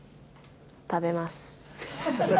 食べます。